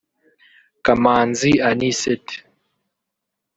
Kamanzi Anicet